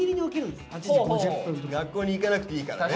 学校に行かなくていいからね。